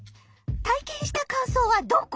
体験した感想はどこ？